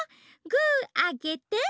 グーあげて！